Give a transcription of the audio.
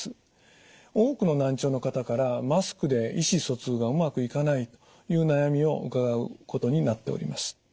多くの難聴の方からマスクで意思疎通がうまくいかないという悩みを伺うことになっております。